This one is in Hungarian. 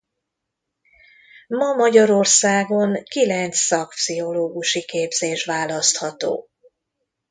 Ma Magyarországon kilenc szakpszichológusi képzés választható.